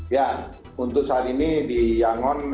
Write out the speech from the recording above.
ya untuk saat ini di yangon